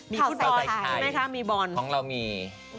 มีข่าวใส่ไทยของเรามี